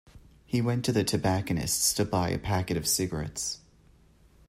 He went to the tobacconists to buy a packet of cigarettes